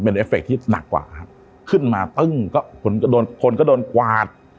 เป็นเอฟเคที่หนักกว่าครับขึ้นมาตึ้งก็คนก็โดนคนก็โดนกวาด